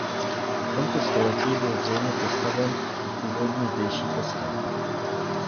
V tomto století byl zřejmě postaven i původní zdejší kostel.